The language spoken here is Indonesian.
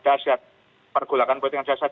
dasyat pergolakan buat yang dasyat